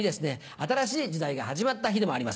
新しい時代が始まった日でもあります。